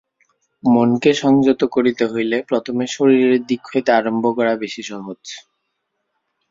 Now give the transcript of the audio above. মনকে সংযত করিতে হইলে প্রথমে শরীরের দিক হইতে আরম্ভ করা বেশী সহজ।